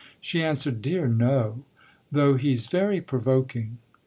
She answered: "Dear no though he's very provoking."